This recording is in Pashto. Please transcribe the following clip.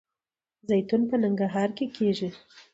زیتون په ننګرهار کې کیږي